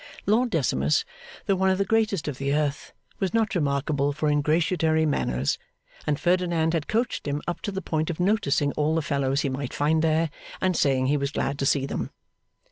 Lord Decimus, though one of the greatest of the earth, was not remarkable for ingratiatory manners, and Ferdinand had coached him up to the point of noticing all the fellows he might find there, and saying he was glad to see them.